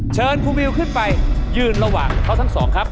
เชิญครูวิวขึ้นไปยืนระหว่างเขาทั้งสองครับ